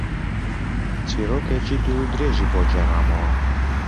چیرۆکێکی دوور و درێژی بۆ گێڕامەوە.